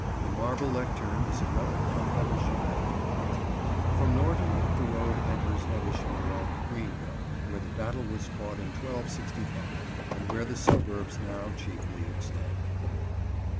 The marble lectern is a relic from Evesham Abbey. From Norton the road enters Evesham along Greenhill, where the battle was fought in 1265, and where the suburbs now chiefly extend.